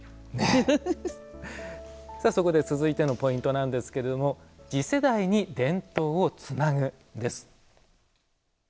そこで続いてのポイントなんですけれども次世代に伝統をつなぐです。